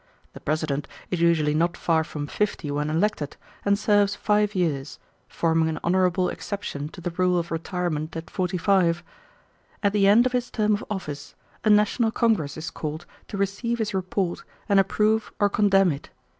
The President is usually not far from fifty when elected, and serves five years, forming an honorable exception to the rule of retirement at forty five. At the end of his term of office, a national Congress is called to receive his report and approve or condemn it.